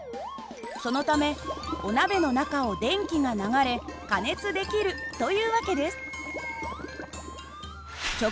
そのためお鍋の中を電気が流れ加熱できるという訳です。